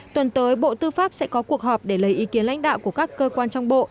tuần tới bộ tư pháp sẽ có cuộc họp để lấy ý kiến lãnh đạo của các cơ quan trong bộ